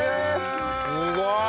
すごい！